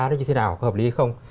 nó như thế nào có hợp lý hay không